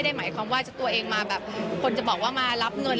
แต่ความว่าตัวเองคนจะบอกว่ามารับเงิน